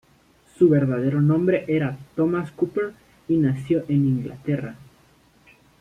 Su verdadero nombre era Thomas Cooper, y nació en Inglaterra.